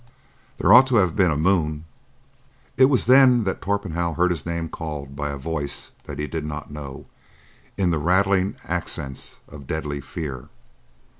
There ought to have been a moon." It was then that Torpenhow heard his name called by a voice that he did not know,—in the rattling accents of deadly fear.